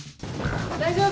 大丈夫。